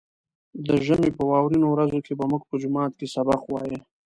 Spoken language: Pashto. د ژمي په واورينو ورځو کې به موږ په جومات کې سبق وايه.